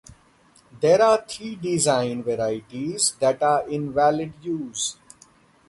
There are three design varieties that are in valid use.